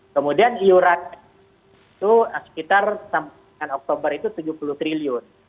kemudian iuran itu sekitar sampai oktober itu rp tujuh puluh triliun